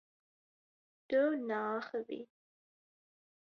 Tu naaxivî.